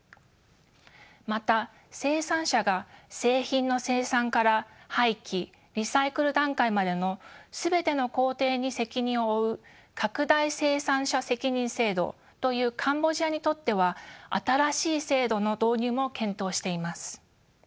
また生産者が製品の生産から廃棄リサイクル段階までの全ての工程に責任を負う拡大生産者責任制度というカンボジアにとっては新しい制度の導入も検討しています。